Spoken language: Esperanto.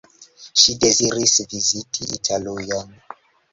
Ŝi deziris viziti Italujon.